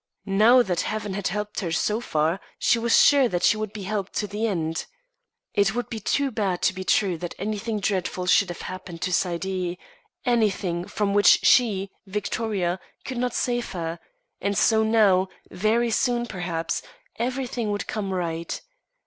Now that Heaven had helped her so far, she was sure she would be helped to the end. It would be too bad to be true that anything dreadful should have happened to Saidee anything from which she, Victoria, could not save her; and so now, very soon perhaps, everything would come right.